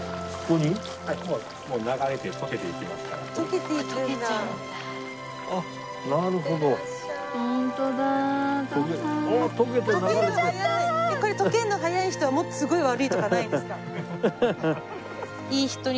これ溶けるの早い人はもっとすごい悪いとかないですか？